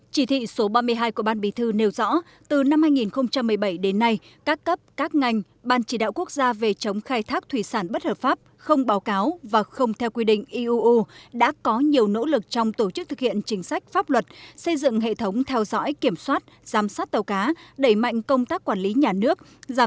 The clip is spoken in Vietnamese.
chỉ thị số ba mươi hai của ban bí thư nêu rõ từ năm hai nghìn một mươi bảy đến nay các cấp các ngành ban chỉ đạo quốc gia về chống khai thác thủy sản bất hợp pháp không báo cáo và không theo quy định iuu đã có nhiều nỗ lực trong tổ chức thực hiện chính sách pháp luật xây dựng hệ thống theo dõi kiểm soát giám sát tàu cá đẩy mạnh công tác quản lý nhà nước giảm